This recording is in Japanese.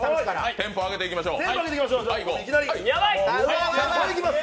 テンポ上げていきましょう。